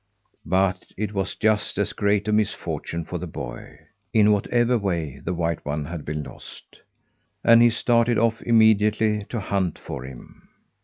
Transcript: But it was just as great a misfortune for the boy, in whatever way the white one had been lost, and he started off immediately to hunt for him.